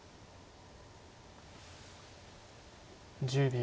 １０秒。